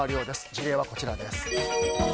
事例はこちらです。